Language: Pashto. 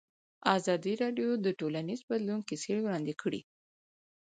ازادي راډیو د ټولنیز بدلون کیسې وړاندې کړي.